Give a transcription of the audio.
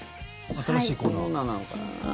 新コーナーなのかな。